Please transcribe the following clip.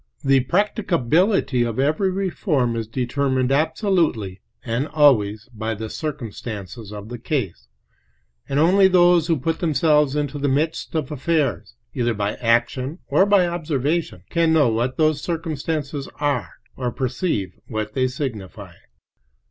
The practicability of every reform is determined absolutely and always by "the circumstances of the case," and only those who put themselves into the midst of affairs, either by action or by observation, can know what those circumstances are or perceive what they signify.